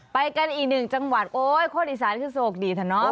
ไปกันอีกหนึ่งจังหวัดโอ๊ยโคตรอีสานคือโสกดีท่านอ้อบอัน